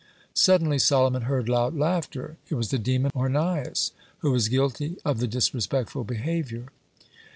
Suddenly Solomon heard loud laughter. It was the demon Ornias, who was guilty of the disrespectful behavior.